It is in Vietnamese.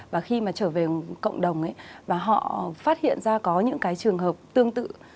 và khi mà trở về cộng đồng và họ phát hiện ra có những cái trường hợp tương tự